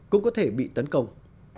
cũng có thể bị tấn công